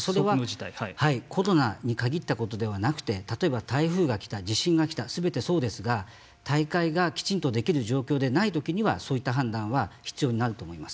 それはコロナに限ったことではなくて台風が来た地震が来たすべてそうですが大会がきちんとできる状況でないときにはそういった判断は必要になると思います。